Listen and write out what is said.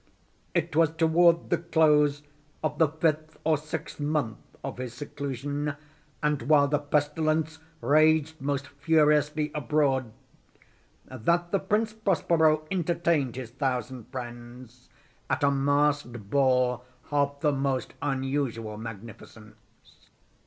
It was toward the close of the fifth or sixth month of his seclusion, and while the pestilence raged most furiously abroad, that the Prince Prospero entertained his thousand friends at a masked ball of the most unusual magnificence.